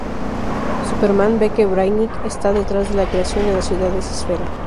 Superman ve que Brainiac está detrás de la creación de las ciudades esfera.